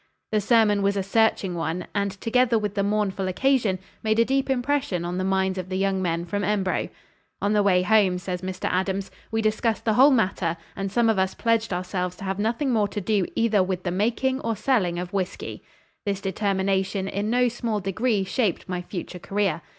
The sermon was a searching one, and together with the mournful occasion, made a deep impression on the minds of the young men from Embro. "On the way home," says Mr. Adams, "we discussed the whole matter, and some of us pledged ourselves to have nothing more to do either with the making or selling of whiskey. This determination in no small degree shaped my future career.